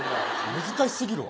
難しすぎるわ。